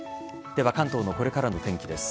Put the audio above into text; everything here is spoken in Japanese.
では関東のこれからのお天気です。